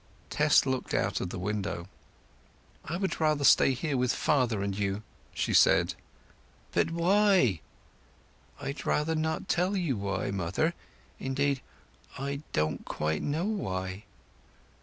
Tess looked out of the window. "I would rather stay here with father and you," she said. "But why?" "I'd rather not tell you why, mother; indeed, I don't quite know why."